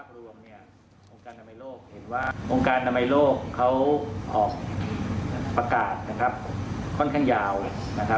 รวมเนี่ยองค์การอนามัยโลกเห็นว่าองค์การอนามัยโลกเขาออกประกาศนะครับค่อนข้างยาวเลยนะครับ